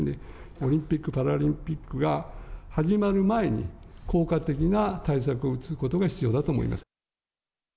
オリンピック・パラリンピックが始まる前に、効果的な対策を打つことが必要だと思います。